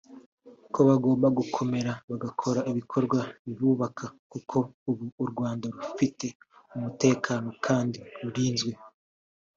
ko bagomba gukomera bagakora ibikorwa bibubaka kuko ubu u Rwanda rufite umutekano kandi rurinzwe